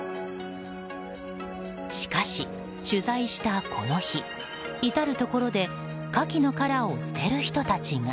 しかし、取材したこの日至るところでカキの殻を捨てる人たちが。